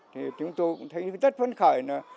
thì chúng tôi cũng thấy rất phấn khởi